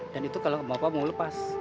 dan itu kalau mau pak mau lepas